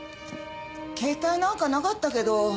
携帯なんかなかったけど。